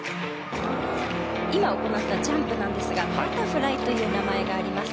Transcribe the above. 今、行ったジャンプですがバタフライという名前があります。